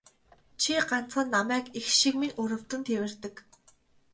Чи ганцхан намайг эх шиг минь өрөвдөн тэвэрдэг.